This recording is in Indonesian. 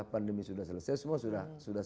pandemi sudah selesai semua sudah